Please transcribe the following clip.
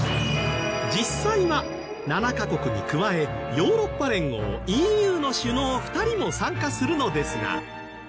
実際は７カ国に加えヨーロッパ連合ＥＵの首脳２人も参加するのですが。